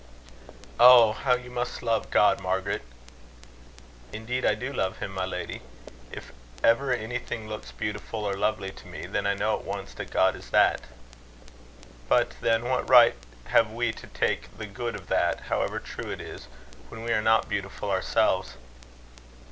"Oh! how you must love God, Margaret!" "Indeed I do love him, my lady. If ever anything looks beautiful or lovely to me, then I know at once that God is that." "But, then, what right have we to take the good of that, however true it is, when we are not beautiful ourselves?"